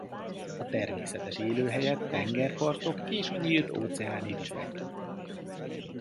A természetes élőhelye tengerpartok és a nyílt óceáni vizek.